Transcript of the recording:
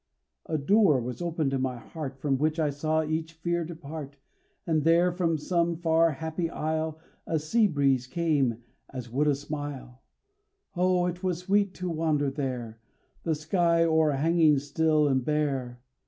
A door was opened in my heart, From which I saw each fear depart, And there from some far, happy isle, The sea breeze came as would a smile Oh! it was sweet to wander there, The sky o'erhanging still and bare.